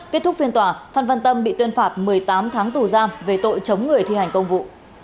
kết thúc phiên tòa phan văn tâm bị tuyên phạt một mươi tám tháng tù giam về tội chống người thi hành công vụ